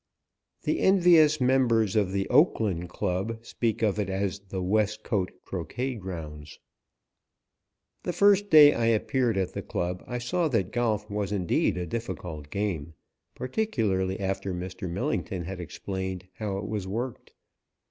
The envious members of the Oakland Club speak of it as the Westcote Croquet Grounds. The first day I appeared at the club I saw that golf was indeed a difficult game, particularly after Mr. Millington had explained how it was worked.